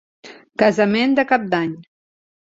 Casament de Cap d'Any.